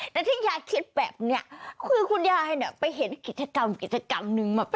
แต่ที่ยายคิดแบบนี้คือคุณยายไปเห็นกิจกรรมนึง